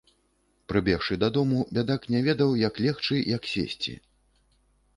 Прыбегшы дадому, бядак не ведаў, як легчы, як сесці.